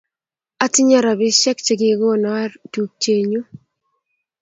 Atinye rapisyek che kikono tupchennyu.